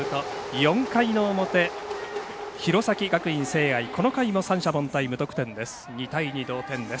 ４回の表弘前学院聖愛、この回も三者凡退無得点です。